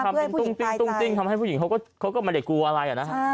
ทำให้ผู้หญิงต้องจริงทำให้ผู้หญิงเขาก็ไม่ได้กลัวอะไร